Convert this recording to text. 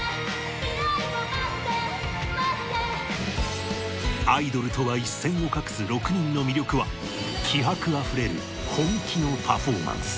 未来は待って待ってアイドルとは一線を画す６人の魅力は気迫あふれる本気のパフォーマンス